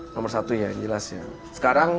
nomor satu ya jelas ya sekarang